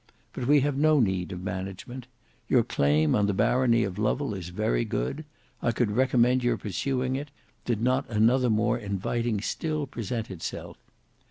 But we have no need of management. Your claim on the barony of Lovel is very good: I could recommend your pursuing it, did not another more inviting still present itself.